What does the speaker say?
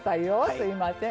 すいません。